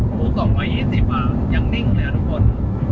โหสองร้อยอีกสิบอ่ะยังนิ่งเลยอ่ะทุกคน